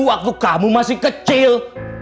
waktu kamu masih kecil